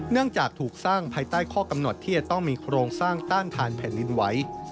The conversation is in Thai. จากถูกสร้างภายใต้ข้อกำหนดที่จะต้องมีโครงสร้างต้านทานแผ่นดินไหว